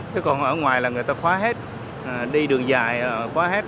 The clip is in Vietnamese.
chứ còn ở ngoài là người ta khóa hết đi đường dài khóa hết